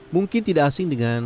mungkin tidak asing dengan